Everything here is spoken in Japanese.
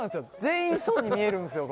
全員そうに見えるんすよ